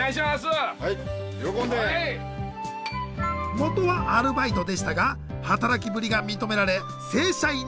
もとはアルバイトでしたが働きぶりが認められ正社員に採用。